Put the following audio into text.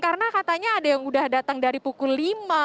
karena katanya ada yang sudah datang dari pukul lima